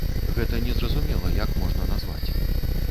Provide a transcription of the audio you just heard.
Гэта незразумела як можна назваць.